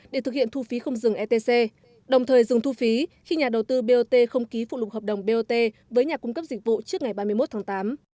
để thực hiện thu phí không dừng etc đồng thời dừng thu phí khi nhà đầu tư bot không ký phụ lục hợp đồng bot với nhà cung cấp dịch vụ trước ngày ba mươi một tháng tám